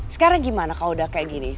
sekarang gimana kalau udah kayak gini